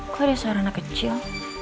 kok ada suara anak kecil